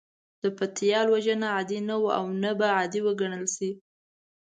د پتيال وژنه عادي نه وه او نه به عادي وګڼل شي.